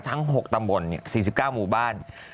ทั้ง๖ตำบล๔๙หมู่บ้าน